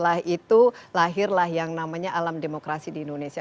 setelah itu lahirlah yang namanya alam demokrasi di indonesia